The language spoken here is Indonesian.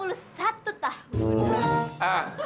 umur saya lima puluh satu tahun